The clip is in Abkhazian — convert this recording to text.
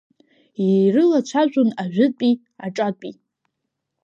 Ирылацәажәон ажәытәи аҿатәи.